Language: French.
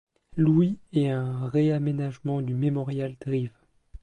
Louis et un réaménagement du Memorial Drive.